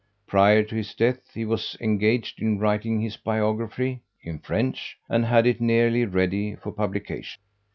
Prior to his death he was engaged in writing his biography (in French) and had it nearly ready for publication.